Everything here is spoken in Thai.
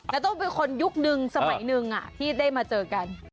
แล้วต้องเป็นคนยุคนึงสมัยหนึ่งที่ได้มาเจอกัน